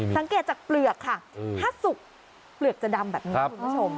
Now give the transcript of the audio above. สังเกตจากเปลือกค่ะถ้าสุกเปลือกจะดำแบบนี้คุณผู้ชม